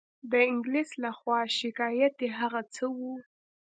د انګلیس له خوا شکایت یې هغه څه وو.